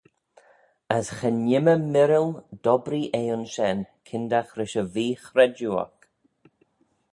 As cha nhimmey mirril dobbree eh ayns shen, kyndagh rish y vee-chredjue oc.